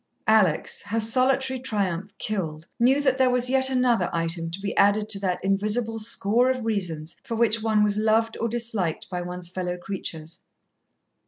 Alex, her solitary triumph killed, knew that there was yet another item to be added to that invisible score of reasons for which one was loved or disliked by one's fellow creatures.